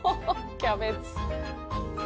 キャベツ。